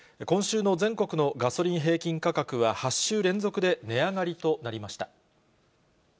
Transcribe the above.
今週の全国のガソリン平均価格は８週連続で値上がりとなりました。